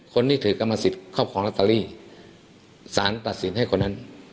คนที่ถือกรรมสิทธิ์ครอบครองลอตเตอรี่สารตัดสินให้คนนั้น